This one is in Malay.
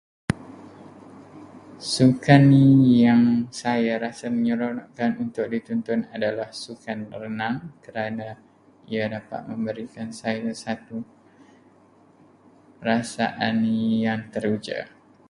Sukan yang saya rasa menyeronokkan untuk ditonton adalah sukan renang kerana ia dapat memberikan saya satu perasaan yang teruja.